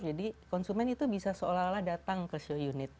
jadi konsumen itu bisa seolah olah datang ke show unit